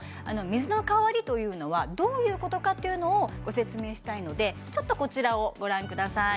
水の代わりというのはどういうことかっていうのをご説明したいのでちょっとこちらをご覧ください